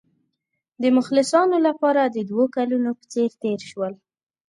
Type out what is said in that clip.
د مخلصانو لپاره د دوو کلونو په څېر تېر شول.